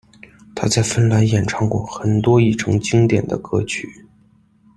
他在芬兰演唱过很多以成经典的歌曲。